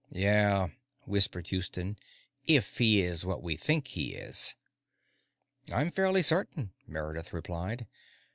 "Yeah," whispered Houston, "if he is what we think he is." "I'm fairly certain," Meredith replied.